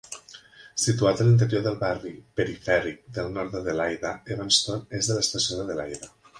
Situat a l'interior del barri perifèric del nord d'Adelaida, Evanston, és de l'estació d'Adelaida.